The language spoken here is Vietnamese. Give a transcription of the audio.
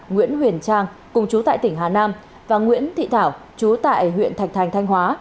nguyễn huyền trang cùng chú tại tỉnh hà nam và nguyễn thị thảo chú tại huyện thạch thành thanh hóa